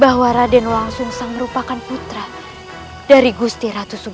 kau akan berhenti